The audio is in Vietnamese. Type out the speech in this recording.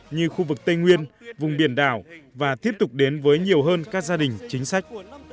như khu vực tây nguyên vùng biển đảo và tiếp tục đến với nhiều hơn các gia đình chính sách